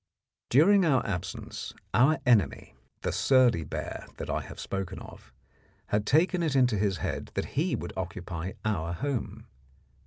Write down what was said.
During our absence our enemy, the surly bear that I have spoken of, had taken it into his head that he would occupy our home.